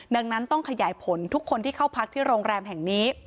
ดังนั้นต้องขยายผลทุกคนที่เข้าพักที่โรงแรมแห่งนี้